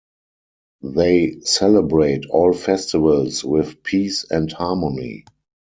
They celebrate all festivals with peace and harmony.